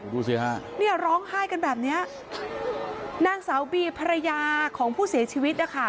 ดูสิฮะเนี่ยร้องไห้กันแบบเนี้ยนางสาวบีภรรยาของผู้เสียชีวิตนะคะ